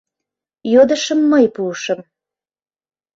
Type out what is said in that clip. Йодышым мый пуышым.